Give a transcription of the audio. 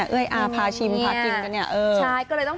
เอ้ยอ่าพาชิมพากิน